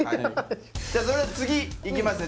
じゃあそれでは次いきますね